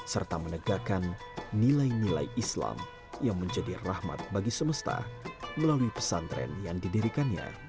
serta menegakkan nilai nilai islam yang menjadi rahmat bagi semesta melalui pesantren yang didirikannya